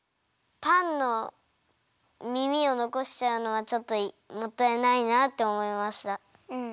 パンのみみをのこしちゃうのはちょっともったいないなっておもいました。